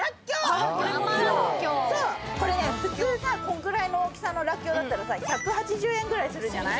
これ普通こんくらいの大きさのらっきょうだったらさ１８０円ぐらいするじゃない。